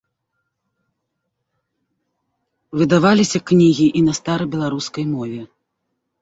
Выдаваліся кнігі і на старабеларускай мове.